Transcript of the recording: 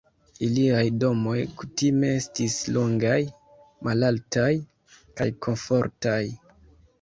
Iliaj domoj kutime estis longaj, malaltaj kaj komfortaj.